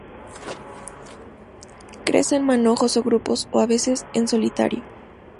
Crece en manojos o grupos o a veces, en solitario.